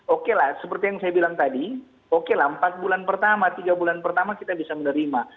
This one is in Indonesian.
oke lah seperti yang saya bilang tadi oke lah empat bulan pertama tiga bulan pertama kita bisa menerima